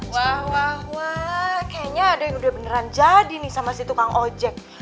wah wah wah kayaknya ada yang udah beneran jadi nih sama si tukang ojek